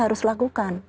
kita harus lakukan